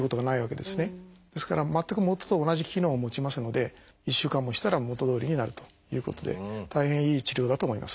ですから全く元と同じ機能を持ちますので１週間もしたら元どおりになるということで大変いい治療だと思います。